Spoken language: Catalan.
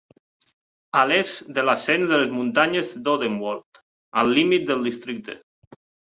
A l'est de l'ascens de les muntanyes d'Odenwald al límit del districte.